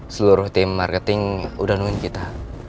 seluruh tim marketing udah nungguin kita